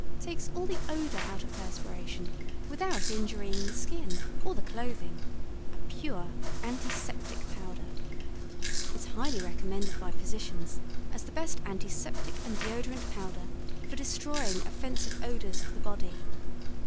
Takes all the odor out of perspiration without injurying the skin or the clothing a pure antiseptic powder. Is highly recommended by physicians as the best antiseptic and deodorant powder for destroying offensive odors of the body.